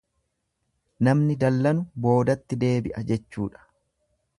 Namni dallanu boodatti deebi'a jechuudha.